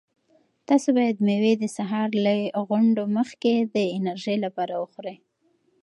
تاسو باید مېوې د سهار له غونډو مخکې د انرژۍ لپاره وخورئ.